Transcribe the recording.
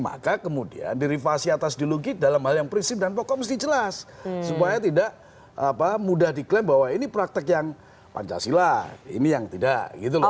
maka kemudian dirivasi atas ideologi dalam hal yang prinsip dan pokok mesti jelas supaya tidak mudah diklaim bahwa ini praktek yang pancasila ini yang tidak gitu loh